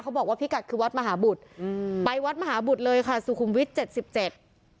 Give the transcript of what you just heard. บอกว่าพิกัดคือวัดมหาบุตรอืมไปวัดมหาบุตรเลยค่ะสุขุมวิทยเจ็ดสิบเจ็ด